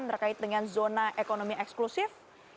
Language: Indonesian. terkait dengan zona ekonomi eksklusif